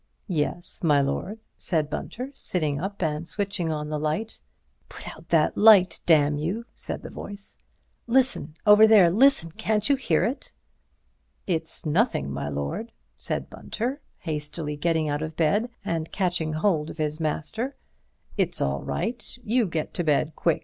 "Yes, my lord," said Bunter, sitting up and switching on the light. "Put that light out, damn you!" said the voice. "Listen—over there—listen—can't you hear it?" "It's nothing, my lord," said Mr. Bunter, hastily getting out of bed and catching hold of his master; "it's all right, you get to bed quick and I'll fetch you a drop of bromide.